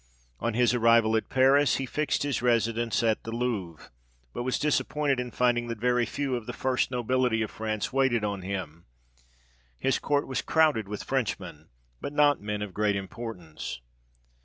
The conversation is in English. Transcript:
On his arrival at Paris, he fixed his residence at the Louvre, but was disappointed in finding that very few of the first nobility of France waited on him : his court was crowded with Frenchmen, but not men of great importance.